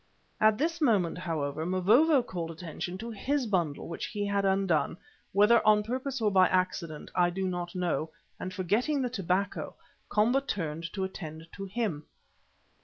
At this moment, however, Mavovo called attention to his bundle which he had undone, whether on purpose or by accident, I do not know, and forgetting the tobacco, Komba turned to attend to him.